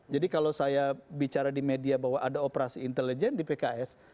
jadi kalau saya bicara di media bahwa ada operasi intelijen di pks